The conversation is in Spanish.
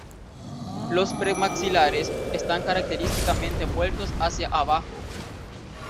Los premaxilares están característicamente vueltos hacia abajo.